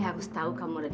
ikut saya nyari dia dulu